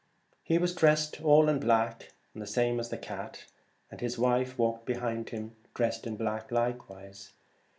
He was dressed all in black, the same as the cat, and his wife walked behind him dressed in black likewise.